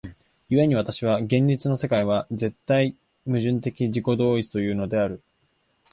故に私は現実の世界は絶対矛盾的自己同一というのである。